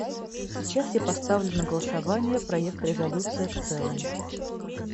Сейчас я поставлю на голосование проект резолюции в целом.